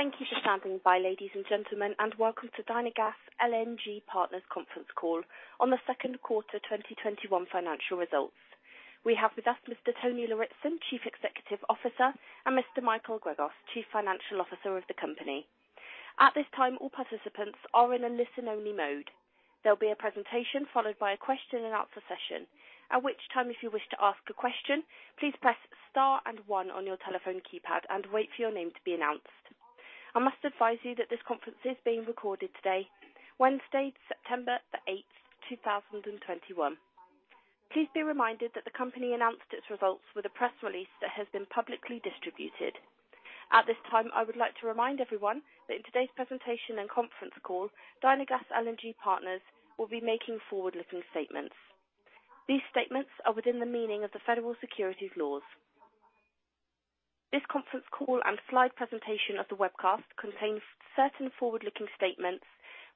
Thank you for standing by, ladies and gentlemen, and welcome to Dynagas LNG Partners Conference Call on the Q2 2021 Financial Results. We have with us Mr. Tony Lauritzen, Chief Executive Officer, and Mr. Michael Gregos, Chief Financial Officer of the company. At this time, all participants are in a listen-only mode. There will be a presentation followed by a question-and-answer session. At which time if you wish to ask a question, please press star and one on your telephone keypad and wait for your name to be announced. I must advise you that this conference is being recorded today, Wednesday, September the 8th, 2021. Please be reminded that the company announced its results with a press release that has been publicly distributed. At this time, I would like to remind everyone that in today's presentation and conference call, Dynagas LNG Partners will be making forward-looking statements. These statements are within the meaning of the Federal Securities laws. This conference call and slide presentation of the webcast contains certain forward-looking statements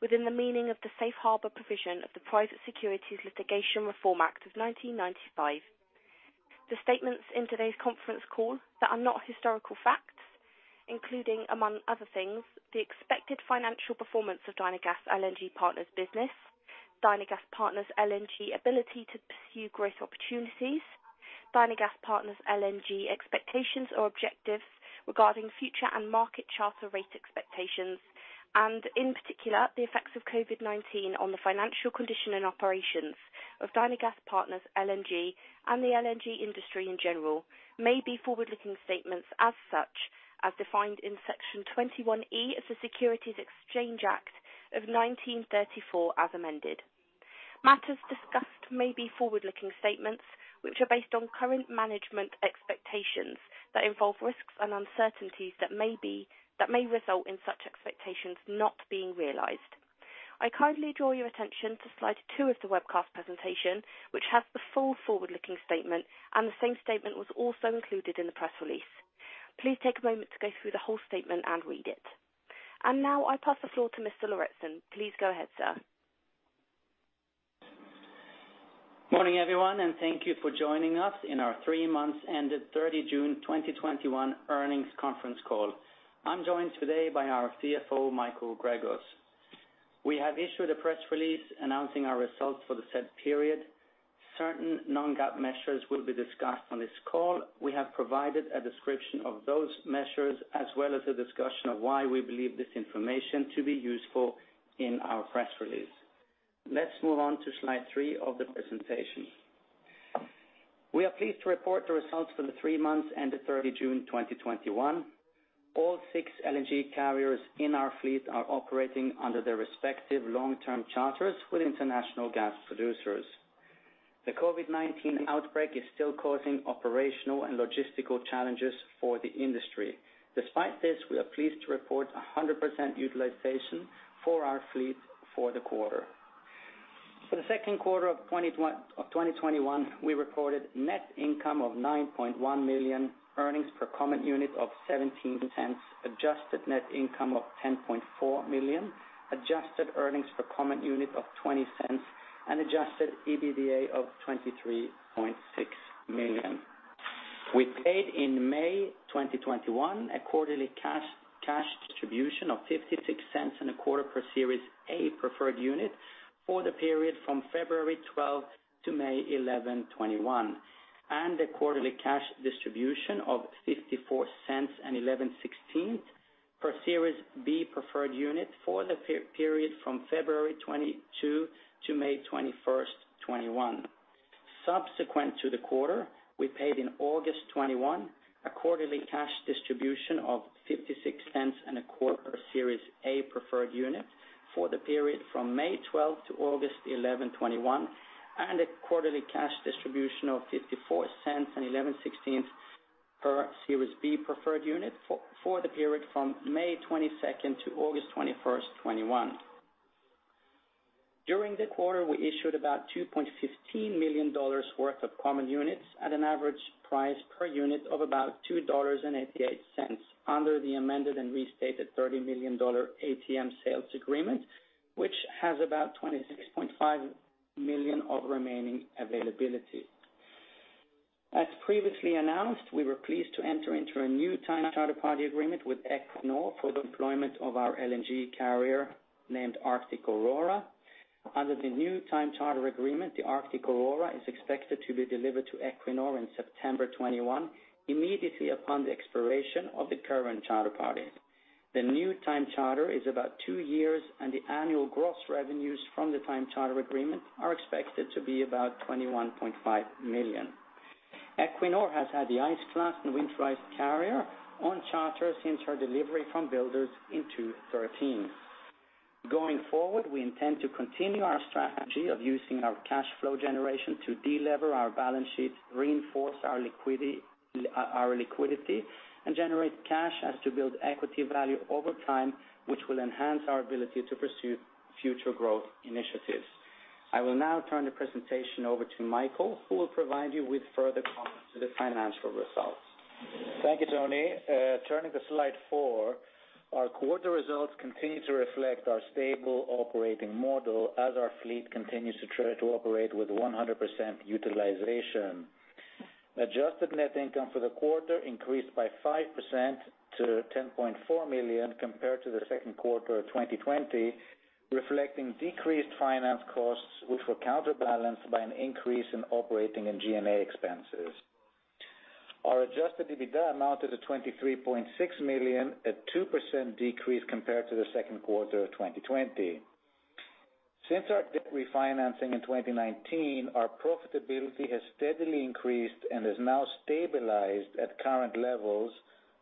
within the meaning of the Safe Harbor provision of the Private Securities Litigation Reform Act of 1995. The statements in today's conference call that are not historical facts, including, among other things, the expected financial performance of Dynagas LNG Partners business, Dynagas LNG Partners ability to pursue growth opportunities, Dynagas LNG Partners expectations or objectives regarding future and market charter rate expectations, and in particular, the effects of COVID-19 on the financial condition and operations of Dynagas LNG Partners and the LNG industry in general, may be forward-looking statements as such as defined in Section 21E of the Securities Exchange Act of 1934 as amended. Matters discussed may be forward-looking statements which are based on current management expectations that involve risks and uncertainties that may result in such expectations not being realized. I kindly draw your attention to slide two of the webcast presentation, which has the full forward-looking statement, and the same statement was also included in the press release. Please take a moment to go through the whole statement and read it. Now I pass the floor to Mr. Lauritzen. Please go ahead, sir. Morning, everyone, and thank you for joining us in our three months ended 30 June 2021 earnings conference call. I'm joined today by our CFO, Michael Gregos. We have issued a press release announcing our results for the said period. Certain non-GAAP measures will be discussed on this call. We have provided a description of those measures as well as a discussion of why we believe this information to be useful in our press release. Let's move on to slide three of the presentation. We are pleased to report the results for the three months ended 30 June 2021. All six LNG carriers in our fleet are operating under their respective long-term charters with international gas producers. The COVID-19 outbreak is still causing operational and logistical challenges for the industry. Despite this, we are pleased to report 100% utilization for our fleet for the quarter. For the Q2 of 2021, we reported net income of $9.1 million, earnings per common unit of $0.17, adjusted net income of $10.4 million, adjusted earnings per common unit of $0.20, and Adjusted EBITDA of $23.6 million. We paid in May 2021 a quarterly cash distribution of $0.56 and a quarter per Series A preferred unit for the period from February 12 to May 11, 2021, and a quarterly cash distribution of $0.54 and 11/16th per Series B preferred unit for the period from February 22 to May 21st, 2021. Subsequent to the quarter, we paid in August 2021 a quarterly cash distribution of $0.56 and a quarter per Series A preferred unit for the period from May 12 to August 11, 2021, and a quarterly cash distribution of $0.54 and 11/16th per Series B preferred unit for the period from May 22nd to August 21st, 2021. During the quarter, we issued about $2.15 million worth of common units at an average price per unit of about $2.88 under the amended and restated $30 million ATM sales agreement, which has about $26.5 million of remaining availability. As previously announced, we were pleased to enter into a new time charter party agreement with Equinor for the employment of our LNG carrier named Arctic Aurora. Under the new time charter agreement, the Arctic Aurora is expected to be delivered to Equinor in September 2021, immediately upon the expiration of the current charter party. The new time charter is about two years, and the annual gross revenues from the time charter agreement are expected to be about $21.5 million. Equinor has had the ice-class and winterized carrier on charter since her delivery from builders in 2013. Going forward, we intend to continue our strategy of using our cash flow generation to delever our balance sheet, reinforce our liquidity, and generate cash as to build equity value over time, which will enhance our ability to pursue future growth initiatives. I will now turn the presentation over to Michael, who will provide you with further comments to the financial results. Thank you, Tony. Turning to slide four, our quarter results continue to reflect our stable operating model as our fleet continues to operate with 100% utilization. Adjusted net income for the quarter increased by 5% to $10.4 million compared to the Q2 of 2020, reflecting decreased finance costs, which were counterbalanced by an increase in operating and G&A expenses. Our Adjusted EBITDA amounted to $23.6 million, a 2% decrease compared to the Q2 of 2020. Since our debt refinancing in 2019, our profitability has steadily increased and has now stabilized at current levels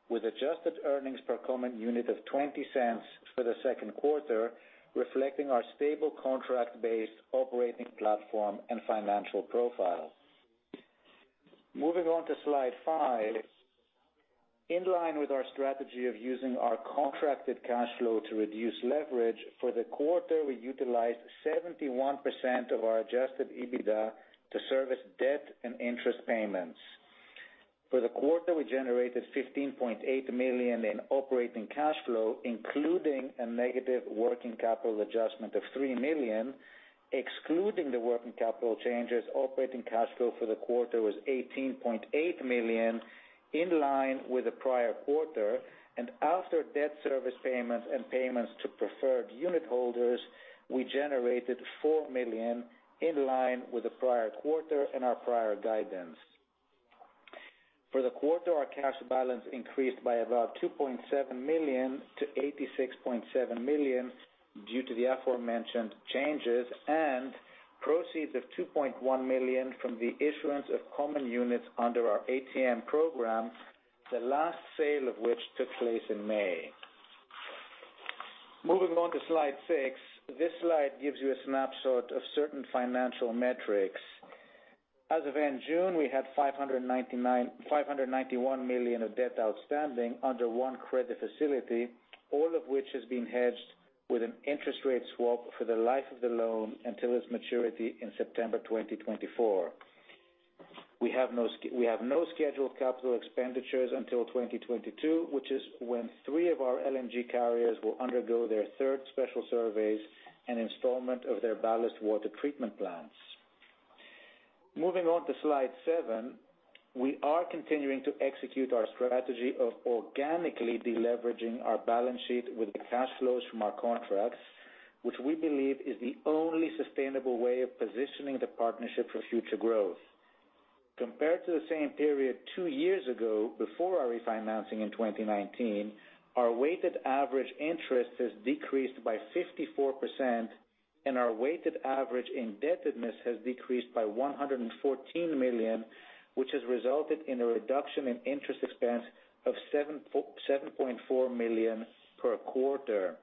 with adjusted earnings per common unit of $0.20 for the Q2, reflecting our stable contract-based operating platform and financial profile. Moving on to slide five. In line with our strategy of using our contracted cash flow to reduce leverage, for the quarter, we utilized 71% of our Adjusted EBITDA to service debt and interest payments. For the quarter, we generated $15.8 million in operating cash flow, including a negative working capital adjustment of $3 million. Excluding the working capital changes, operating cash flow for the quarter was $18.8 million, in line with the prior quarter. After debt service payments and payments to preferred unit holders, we generated $4 million in line with the prior quarter and our prior guidance. For the quarter, our cash balance increased by about $2.7 million to $86.7 million due to the aforementioned changes, proceeds of $2.1 million from the issuance of common units under our ATM program, the last sale of which took place in May. Moving on to slide six. This slide gives you a snapshot of certain financial metrics. As of end June, we had $591 million of debt outstanding under one credit facility, all of which is being hedged with an interest rate swap for the life of the loan until its maturity in September 2024. We have no scheduled capital expenditures until 2022, which is when three of our LNG carriers will undergo their third special surveys and installment of their ballast water treatment plants. Moving on to slide seven. We are continuing to execute our strategy of organically de-leveraging our balance sheet with the cash flows from our contracts, which we believe is the only sustainable way of positioning the partnership for future growth. Compared to the same period two years ago, before our refinancing in 2019, our weighted average interest has decreased by 54% and our weighted average indebtedness has decreased by $114 million, which has resulted in a reduction in interest expense of $7.4 million per quarter.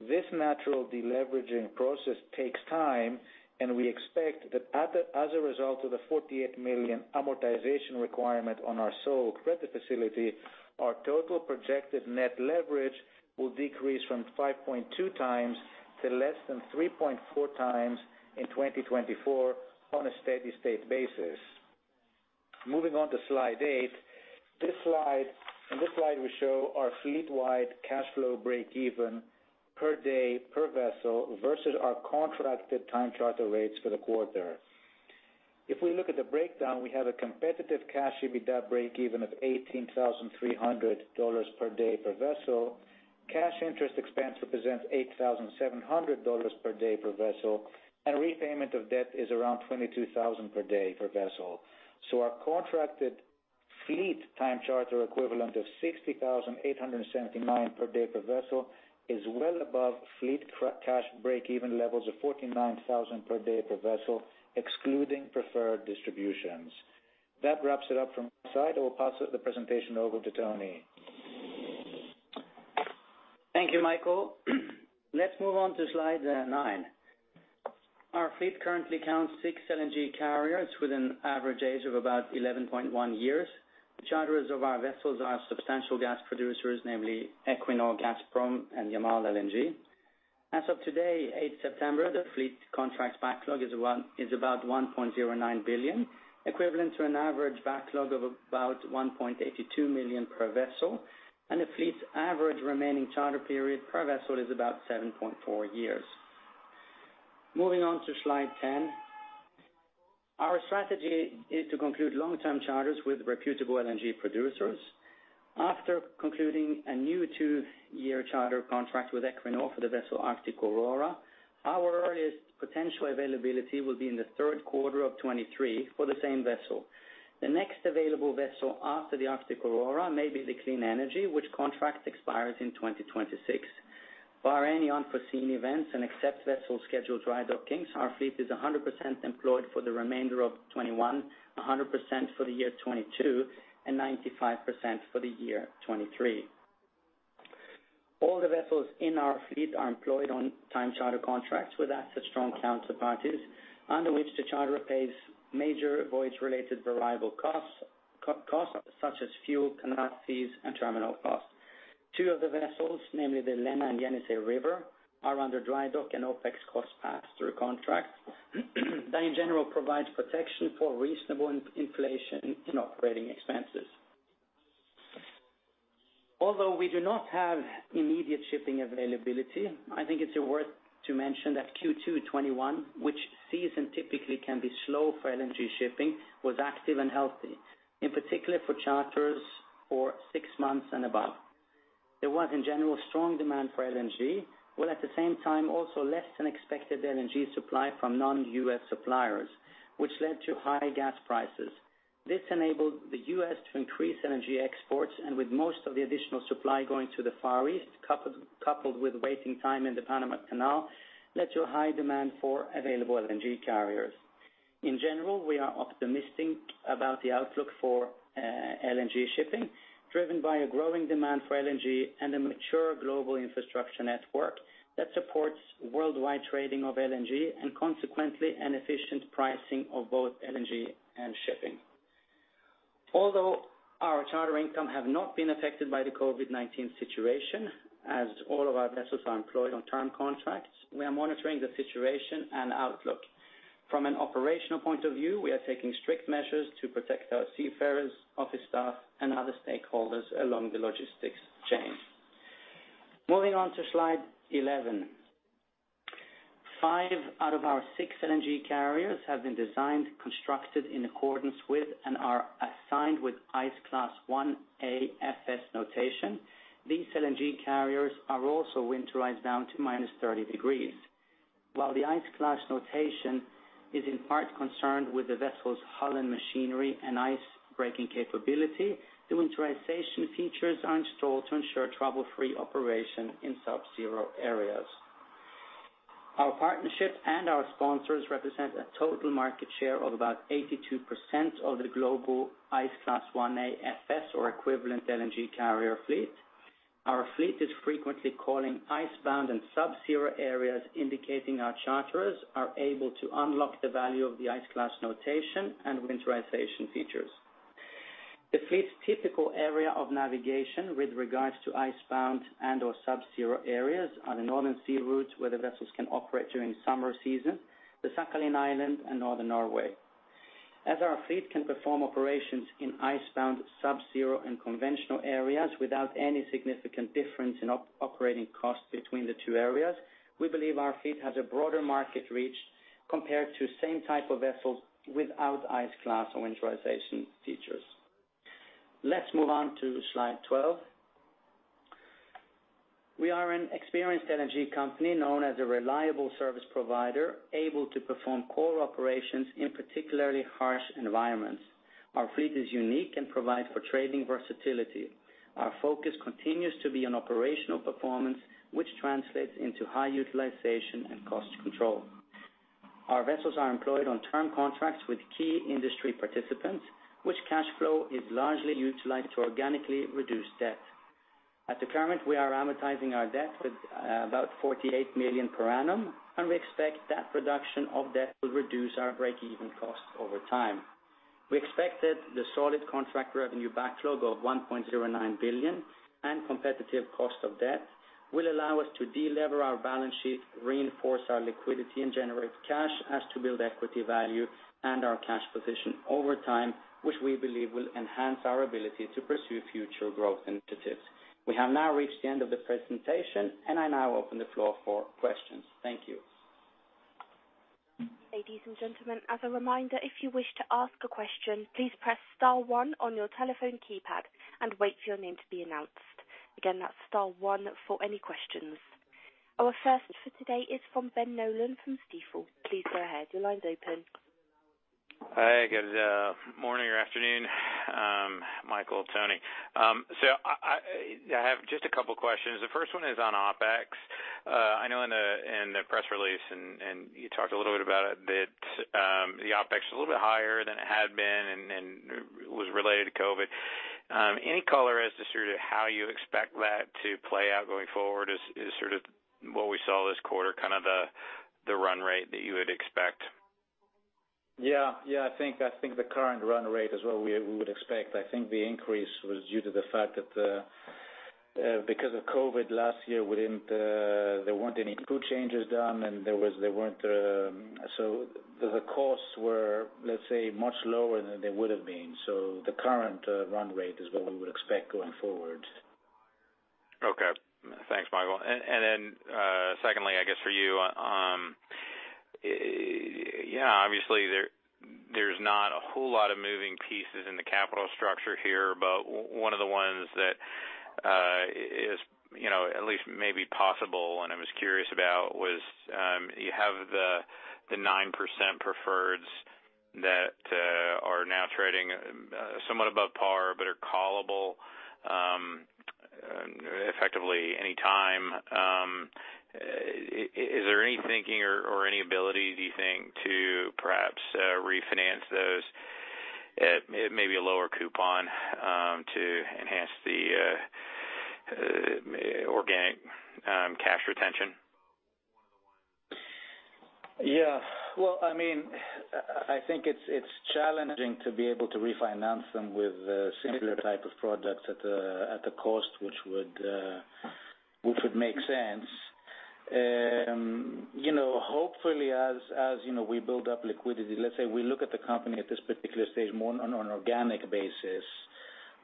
This natural de-leveraging process takes time, and we expect that as a result of the $48 million amortization requirement on our sole credit facility, our total projected net leverage will decrease from 5.2x to less than 3.4x in 2024 on a steady-state basis. Moving on to slide 8. In this slide, we show our fleet-wide cash flow break even per day per vessel versus our contracted time charter rates for the quarter. If we look at the breakdown, we have a competitive cash EBITDA break even of $18,300 per day per vessel. Cash interest expense represents $8,700 per day per vessel, and repayment of debt is around $22,000 per day per vessel. Our contracted fleet Time Charter Equivalent of $60,879 per day per vessel is well above fleet cash break even levels of $49,000 per day per vessel, excluding preferred distributions. That wraps it up from my side. I will pass the presentation over to Tony. Thank you, Michael. Let's move on to slide nine. Our fleet currently counts six LNG carriers with an average age of about 11.1 years. The charterers of our vessels are substantial gas producers, namely Equinor, Gazprom, and Yamal LNG. As of today, eighth September, the fleet contracts backlog is about $1.09 billion, equivalent to an average backlog of about $1.82 million per vessel, and the fleet's average remaining charter period per vessel is about 7.4 years. Moving on to slide 10. Our strategy is to conclude long-term charters with reputable LNG producers. After concluding a new two-year charter contract with Equinor for the vessel Arctic Aurora, our earliest potential availability will be in the Q3 of 2023 for the same vessel. The next available vessel after the Arctic Aurora may be the Clean Energy, which contract expires in 2026. Bar any unforeseen events and except vessel scheduled dry dockings, our fleet is 100% employed for the remainder of 2021, 100% for the year 2022, and 95% for the year 2023. All the vessels in our fleet are employed on time charter contracts with asset-strong counterparties, under which the charterer pays major voyage-related variable costs, such as fuel, canal fees, and terminal costs. Two of the vessels, namely the Lena and Yenisei River, are under dry dock and OpEx cost pass-through contracts that in general provides protection for reasonable inflation in operating expenses. Although we do not have immediate shipping availability, I think it's worth to mention that Q2 2021, which season typically can be slow for LNG shipping, was active and healthy, in particular for charters for six months and above. There was, in general, strong demand for LNG, while at the same time, also less than expected LNG supply from non-U.S. suppliers, which led to high gas prices. This enabled the U.S. to increase LNG exports, and with most of the additional supply going to the Far East, coupled with waiting time in the Panama Canal, led to a high demand for available LNG carriers. In general, we are optimistic about the outlook for LNG shipping, driven by a growing demand for LNG and a mature global infrastructure network that supports worldwide trading of LNG and consequently an efficient pricing of both LNG and shipping. Although our charter income have not been affected by the COVID-19 situation, as all of our vessels are employed on term contracts, we are monitoring the situation and outlook. From an operational point of view, we are taking strict measures to protect our seafarers, office staff, and other stakeholders along the logistics chain. Moving on to slide 11. Five out of our six LNG carriers have been designed, constructed in accordance with, and are assigned with Ice Class 1A FS notation. These LNG carriers are also winterized down to -30 degrees. While the Ice Class notation is in part concerned with the vessel's hull and machinery and ice breaking capability, the winterization features are installed to ensure trouble-free operation in subzero areas. Our partnership and our sponsors represent a total market share of about 82% of the global Ice Class 1A FS or equivalent LNG carrier fleet. Our fleet is frequently calling icebound and subzero areas, indicating our charterers are able to unlock the value of the Ice Class notation and winterization features. The fleet's typical area of navigation with regards to icebound and/or subzero areas are the northern sea routes where the vessels can operate during summer season, the Sakhalin Island, and northern Norway. As our fleet can perform operations in icebound, subzero, and conventional areas without any significant difference in operating costs between the two areas, we believe our fleet has a broader market reach compared to same type of vessels without ice class or winterization features. Let's move on to slide 12. We are an experienced LNG company known as a reliable service provider, able to perform core operations in particularly harsh environments. Our fleet is unique and provides for trading versatility. Our focus continues to be on operational performance, which translates into high utilization and cost control. Our vessels are employed on term contracts with key industry participants, which cash flow is largely utilized to organically reduce debt. At the current, we are amortizing our debt with about $48 million per annum. We expect that reduction of debt will reduce our break-even costs over time. We expect that the solid contract revenue backlog of $1.09 billion and competitive cost of debt will allow us to de-lever our balance sheet, reinforce our liquidity, and generate cash as to build equity value and our cash position over time, which we believe will enhance our ability to pursue future growth initiatives. We have now reached the end of the presentation. I now open the floor for questions. Thank you. Ladies and gentlemen, as a reminder, if you wish to ask a question, please press star one on your telephone keypad and wait for your name to be announced. Again, that's star one for any questions. Our first for today is from Ben Nolan from Stifel. Please go ahead. Your line's open. Hi, good morning or afternoon, Michael, Tony. I have just a couple questions. The first one is on OpEx. I know in the press release and you talked a little bit about it, that the OpEx is a little bit higher than it had been and it was related to COVID-19. Any color as to sort of how you expect that to play out going forward is sort of what we saw this quarter, kind of the run rate that you would expect? Yeah. I think the current run rate is what we would expect. I think the increase was due to the fact that because of COVID last year, there weren't any crew changes done, the costs were, let's say, much lower than they would have been. The current run rate is what we would expect going forward. Okay. Thanks, Michael. Secondly, I guess for you, obviously there's not a whole lot of moving pieces in the capital structure here, but one of the ones that is at least maybe possible, and I was curious about was, you have the 9% preferreds that are now trading somewhat above par, but are callable effectively any time. Is there any thinking or any ability, do you think, to perhaps refinance those at maybe a lower coupon to enhance the organic cash retention? Yeah. Well, I think it's challenging to be able to refinance them with a similar type of product at a cost which would make sense. Hopefully as we build up liquidity, let's say we look at the company at this particular stage more on an organic basis,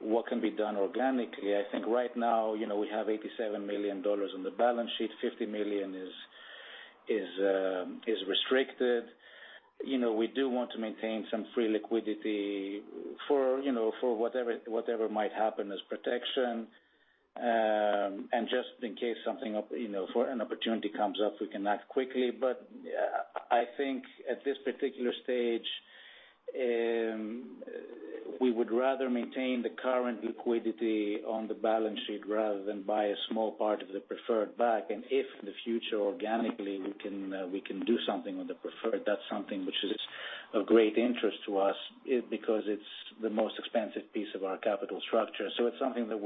what can be done organically. I think right now, we have $87 million on the balance sheet, $50 million is restricted. We do want to maintain some free liquidity for whatever might happen as protection. Just in case an opportunity comes up, we can act quickly. I think at this particular stage, we would rather maintain the current liquidity on the balance sheet rather than buy a small part of the preferred back. If in the future, organically, we can do something on the preferred, that's something which is of great interest to us because it's the most expensive piece of our capital structure. It's something that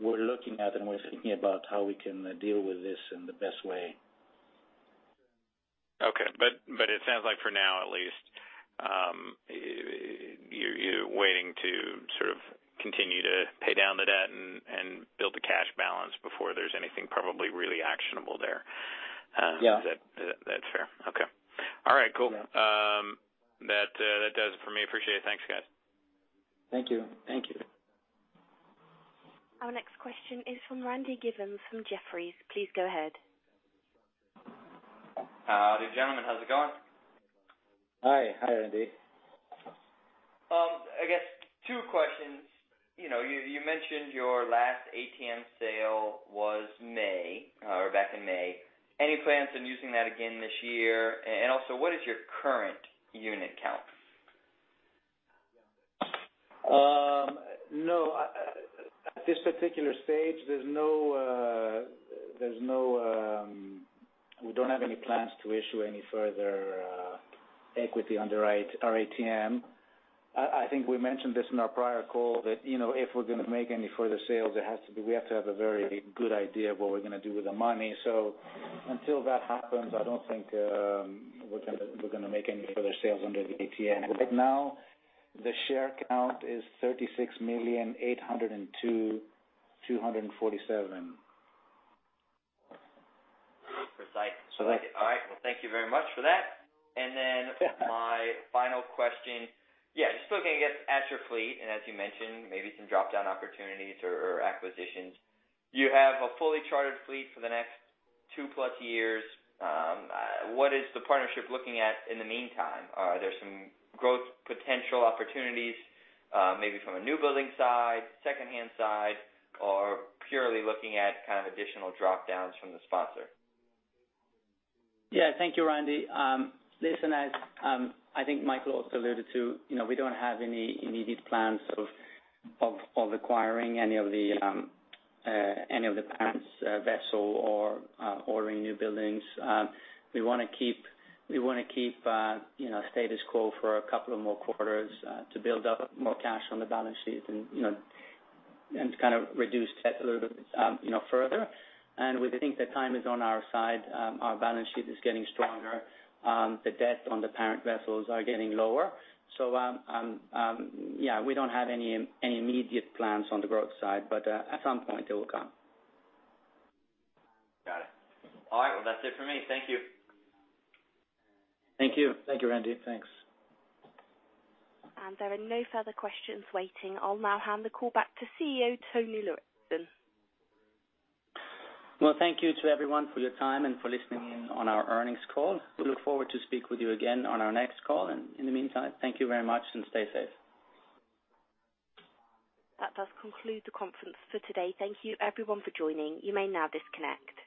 we're looking at, and we're thinking about how we can deal with this in the best way. Okay. It sounds like for now at least, you're waiting to sort of continue to pay down the debt and build the cash balance before there's anything probably really actionable there. Yeah. That's fair. Okay. All right, cool. Yeah. That does it for me. Appreciate it. Thanks, guys. Thank you. Our next question is from Randy Giveans from Jefferies. Please go ahead. Howdy, gentlemen. How's it going? Hi, Randy. I guess two questions. You mentioned your last ATM sale was back in May. Any plans on using that again this year? Also, what is your current unit count? At this particular stage, we don't have any plans to issue any further equity under our ATM. I think we mentioned this in our prior call that, if we're going to make any further sales, we have to have a very good idea of what we're going to do with the money. Until that happens, I don't think we're going to make any further sales under the ATM. Right now, the share count is 36,802,247. Precise. Thank you. Well, thank you very much for that. My final question, yeah, you're still going to get at your fleet, and as you mentioned, maybe some drop-down opportunities or acquisitions. You have a fully chartered fleet for the next two-plus years. What is the partnership looking at in the meantime? Are there some growth potential opportunities maybe from a new building side, secondhand side, or purely looking at kind of additional drop-downs from the sponsor? Yeah. Thank you, Randy. Listen, as I think Michael also alluded to, we don't have any immediate plans of acquiring any of the parent's vessel or ordering new buildings. We want to keep status quo for a couple of more quarters to build up more cash on the balance sheet and kind of reduce debt a little bit further. We think that time is on our side. Our balance sheet is getting stronger. The debt on the parent vessels are getting lower. Yeah, we don't have any immediate plans on the growth side, but at some point it will come. Got it. All right. Well, that's it for me. Thank you. Thank you. Thank you, Randy. Thanks. There are no further questions waiting. I'll now hand the call back to CEO, Tony Lauritzen. Well, thank you to everyone for your time and for listening in on our earnings call. We look forward to speak with you again on our next call. In the meantime, thank you very much and stay safe. That does conclude the conference for today. Thank you everyone for joining. You may now disconnect.